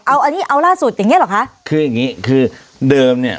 เอาอันนี้เอาล่าสุดอย่างเงี้เหรอคะคืออย่างงี้คือเดิมเนี้ย